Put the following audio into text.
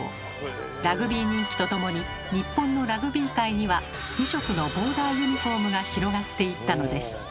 ラグビー人気とともに日本のラグビー界には２色のボーダーユニフォームが広がっていったのです。